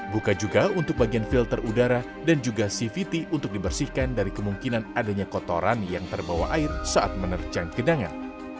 buka juga untuk bagian filter udara dan juga cvt untuk dibersihkan dari kemungkinan adanya kotoran yang terbawa air saat menerjang gedangan